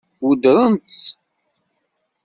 Weddṛent-tt?